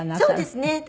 そうですね。